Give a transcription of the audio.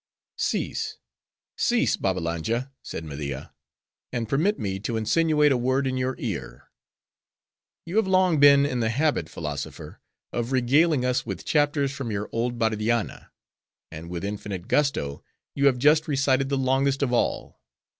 '" "Cease, cease, Babbalanja," said Media, "and permit me to insinuate a word in your ear. You have long been in the habit, philosopher, of regaling us with chapters from your old Bardianna; and with infinite gusto, you have just recited the longest of all.